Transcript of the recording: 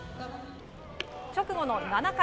直後の７回。